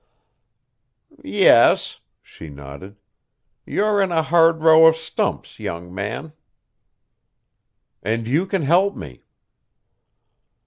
"Yes," she nodded. "You're in a hard row of stumps, young man." "And you can help me."